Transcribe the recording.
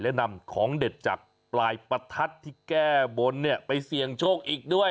และนำของเด็ดจากปลายประทัดที่แก้บนเนี่ยไปเสี่ยงโชคอีกด้วย